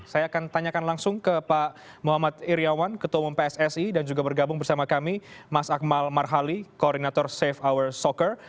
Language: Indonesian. saya akan tanyakan langsung ke pak muhammad iryawan ketua umum pssi dan juga bergabung bersama kami mas akmal marhali koordinator safe hour soccer